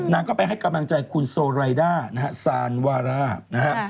นางก็ไปให้กำลังใจคุณโซไลด้าซานวาร่า